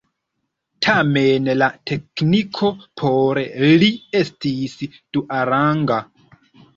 Tamen la tekniko por li estis duaranga.